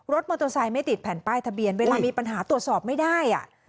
รถมอเตอร์ไซค์ไม่ติดแผ่นป้ายทะเบียนเวลามีปัญหาตรวจสอบไม่ได้